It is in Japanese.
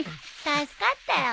助かったよ。